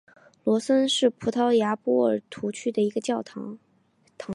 罗森是葡萄牙波尔图区的一个堂区。